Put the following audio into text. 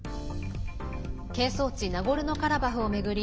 係争地ナゴルノカラバフを巡り